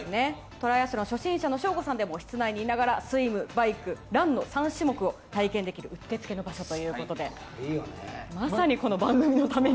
トライアスロン初心者の省吾さんでも室内にいながらスイム、バイク、ランの３種目を体験できるうってつけの場所ということでまさに、この番組のために。